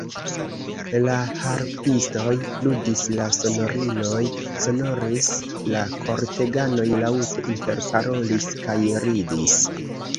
La harpistoj ludis, la sonoriloj sonoris, la korteganoj laŭte interparolis kaj ridis.